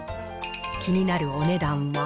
気になるお値段は？